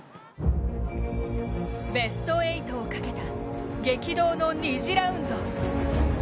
ベスト８をかけた激動の２次ラウンド。